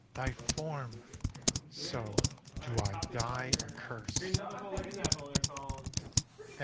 thy form!... So do I die accursed!